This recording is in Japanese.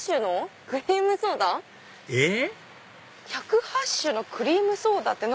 ⁉１０８種のクリームソーダって何？